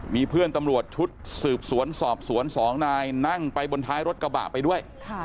มีเพื่อนตำรวจชุดสืบสวนสอบสวน๒นายนั่งไปบนท้ายรถกระบะไปด้วย